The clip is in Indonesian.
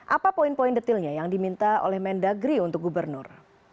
apa poin poin detilnya yang diminta oleh mendagri untuk gubernur